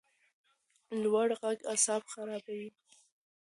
لوړ غږ اعصاب خرابوي